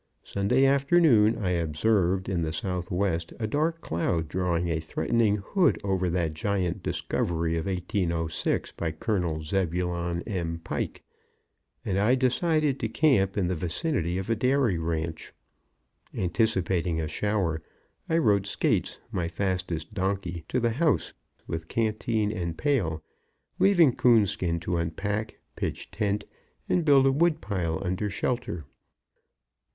Sunday afternoon I observed in the southwest a dark cloud draw a threatening hood over that giant discovery of 1806 by Col. Zebulon M. Pike, and I decided to camp in the vicinity of a dairy ranch. Anticipating a shower, I rode Skates, my fastest donkey, to the house with canteen and pail, leaving Coonskin to unpack, pitch tent, and build a wood pile under shelter.